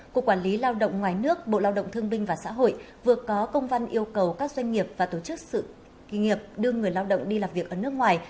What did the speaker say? cục quản lý lao động ngoài nước bộ lao động thương binh và xã hội vừa có công văn yêu cầu các doanh nghiệp và tổ chức sự kỳ nghiệp đưa người lao động đi làm việc ở nước ngoài